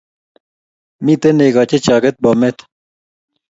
Miten neko che chaket Bomet